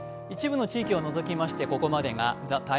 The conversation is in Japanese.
一部の地域を除きましてここまでが「ＴＩＭＥ’」。